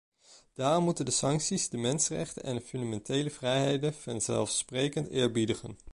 Daarom moeten de sancties de mensenrechten en fundamentele vrijheden vanzelfsprekend eerbiedigen.